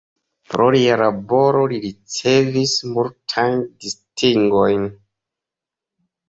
Pro lia laboro li ricevis multajn distingojn.